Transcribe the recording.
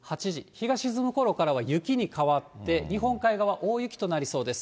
日が沈むころからは雪に変わって、日本海側、大雪となりそうです。